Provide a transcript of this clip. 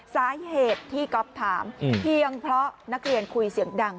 สาเหตุที่ก๊อฟถามเพียงเพราะนักเรียนคุยเสียงดัง